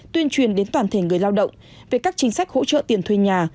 tuyên truyền đến toàn thể người lao động về các chính sách hỗ trợ tiền thuê nhà